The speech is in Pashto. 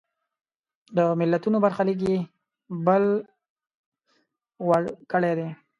د ملتونو برخلیک یې بل وړ کړی دی.